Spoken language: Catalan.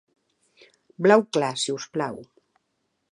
Blau clar, si us plau.